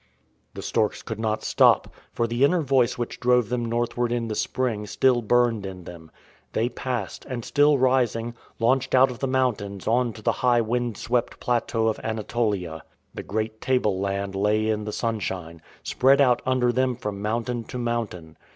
The storks could not stop, for the inner Voice which drove them northward in the spring still burned in them. They passed, and still rising, launched out of the mountains on to the high wind swept plateau of Anatolia. The great tableland lay in the sunshine — spread out under them from moun tain to mountain.